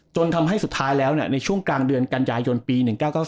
จนทำให้สุดท้ายแล้วในช่วงกลางเดือนกันยายนปี๑๙๙